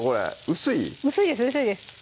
薄いです薄いです